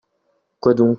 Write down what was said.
Quoi donc ?